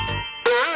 ああ。